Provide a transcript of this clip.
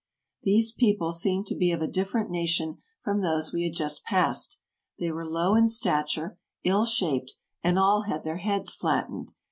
4 ' These people seemed to be of a different nation from those we had just passed; they were low in stature, ill shaped, and all had their heads flattened.